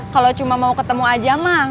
kalau cuma mau ketemu aja mah